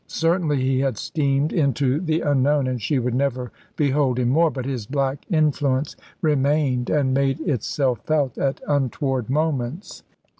Certainly he had steamed into the unknown, and she would never behold him more. But his black influence remained and made itself felt at untoward moments.